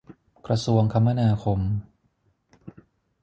กระทรวงคมนาคม